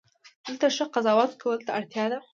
دلته ښه قضاوت کولو ته اړتیا ده.